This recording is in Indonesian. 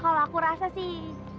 kalo aku rasa sih